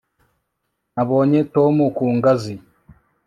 Nabonye Tom ku ngazi